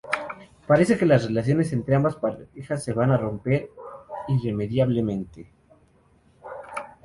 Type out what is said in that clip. Parece que las relaciones entre ambas parejas se van a romper irremediablemente.